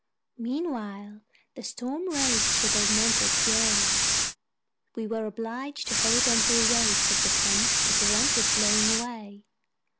Meanwhile the storm raged with augmented fury. We were obliged to hold on to the ropes of the tent to prevent it blowing away.